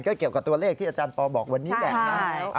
ก็เกี่ยวกับตัวเลขที่อาจารย์ปอบอกวันนี้แหละนะ